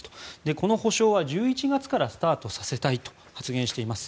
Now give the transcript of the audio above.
この補償は１１月からスタートさせたいと発言しています。